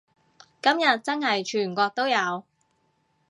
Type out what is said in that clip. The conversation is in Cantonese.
今日真係全國都有